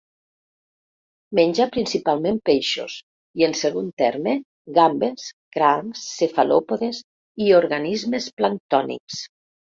Menja principalment peixos, i, en segon terme, gambes, crancs, cefalòpodes i organismes planctònics.